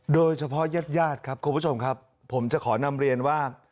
ญาติญาติครับคุณผู้ชมครับผมจะขอนำเรียนว่า